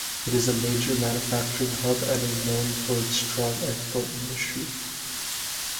It is a major manufacturing hub and is known for its strong export industry.